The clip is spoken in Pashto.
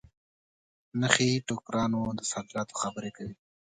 نخې ټوکرانو د صادراتو خبري کوي.